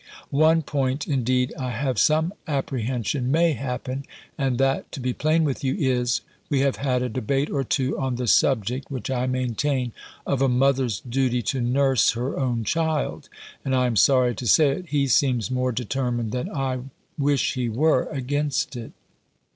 One point, indeed, I have some apprehension may happen; and that, to be plain with you, is, we have had a debate or two on the subject (which I maintain) of a mother's duty to nurse her own child; and I am sorry to say it, he seems more determined than I wish he were, against it.